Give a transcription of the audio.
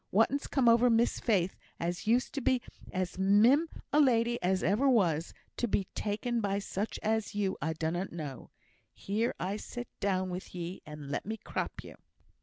Whatten's come over Miss Faith, as used to be as mim a lady as ever was, to be taken by such as you, I dunnot know. Here! sit down with ye, and let me crop you."